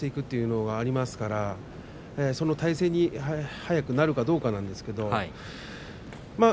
というのがありますからその体勢に早くなるかどうかです。